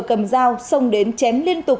cầm dao xông đến chém liên tục